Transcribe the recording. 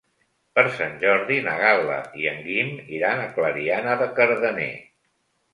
Per Sant Jordi na Gal·la i en Guim iran a Clariana de Cardener.